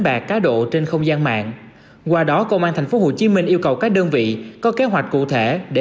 bạc cá độ trên không gian mạng qua đó công an tp hcm yêu cầu các đơn vị có kế hoạch cụ thể để